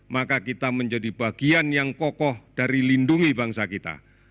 maka kita menjadi bagian yang kokoh dari lindungi bangsa kita